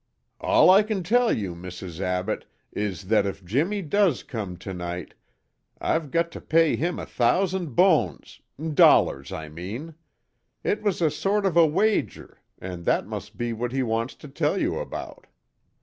"All I can tell you, Mrs. Abbott, is that if Jimmie does come to night, I've got to pay him a thousand bones dollars, I mean. It was a sort of a wager, and that must be what he wants to tell you about."